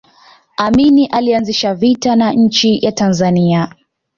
amin alianzisha vita na nchi ya tanzania